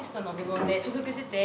所属してて。